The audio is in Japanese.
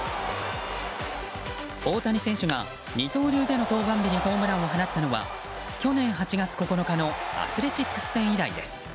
大谷選手が二刀流での登板日にホームランを放ったのは去年８月９日のアスレチックス戦以来です。